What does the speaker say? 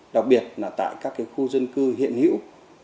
đặc biệt là tại các khu dân cư hiện hữu